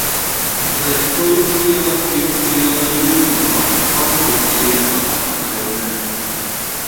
Lefkoju iela ir iela Jūrmalā, Kaugurciema apkaimē.